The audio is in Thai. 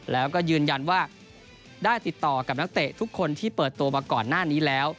แล้วก็ยืนยันว่าได้ติดต่อกับนักเตะทุกคนที่เปิดตัวมาก่อนหน้านี้แล้ว